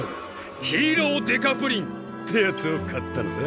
ヒーロー刑事プリン」ってやつを買ったのさ。